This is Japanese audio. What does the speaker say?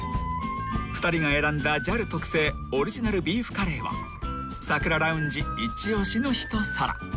［２人が選んだＪＡＬ特製オリジナルビーフカレーはサクララウンジ一押しの一皿］